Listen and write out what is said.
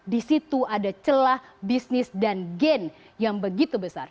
di situ ada celah bisnis dan gain yang begitu besar